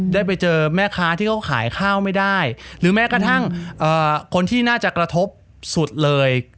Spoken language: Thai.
ได้ไปเจอแม่ค้าที่เขาขายข้าวไม่ได้หรือแม้กระทั่งคนที่น่าจะกระทบสุดเลย